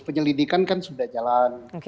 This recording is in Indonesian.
penyelidikan kan sudah jalan